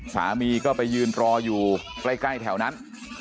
สามีก็ไปยืนรออยู่ใกล้แถวนั้น